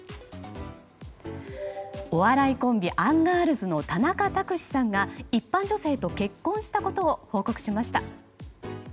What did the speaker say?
お笑いコンビ、アンガールズの田中卓志さんが一般女性と結婚したことを報告しました。